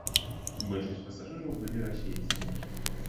Большасць пасажыраў былі расейцамі.